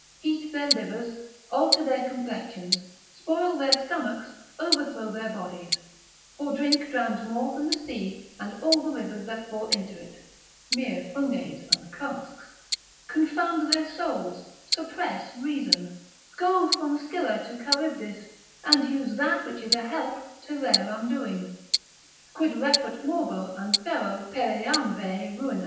heat their livers, alter their complexions, spoil their stomachs, overthrow their bodies; for drink drowns more than the sea and all the rivers that fall into it (mere funges and casks), confound their souls, suppress reason, go from Scylla to Charybdis, and use that which is a help to their undoing. Quid refert morbo an ferro pereamve ruina?